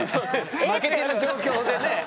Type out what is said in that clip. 負けた状況でね。